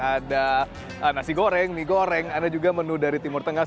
ada nasi goreng mie goreng ada juga menu dari timur tengah